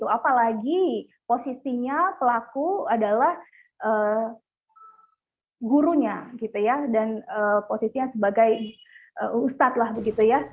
apalagi posisinya pelaku adalah gurunya dan posisinya sebagai ustadz